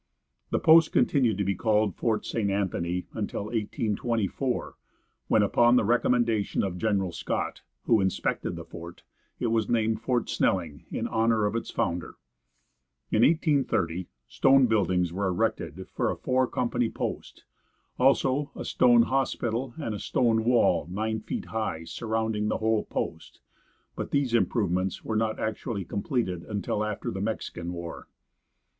The post continued to be called Fort St. Anthony until 1824, when, upon the recommendation of General Scott, who inspected the fort, it was named Fort Snelling, in honor of its founder. In 1830 stone buildings were erected for a four company post; also, a stone hospital and a stone wall, nine feet high, surrounding the whole post; but these improvements were not actually completed until after the Mexican War.